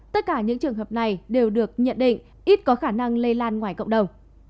tất cả những trường hợp này đều được nhận định ít có khả năng lây lan ngoài cộng đồng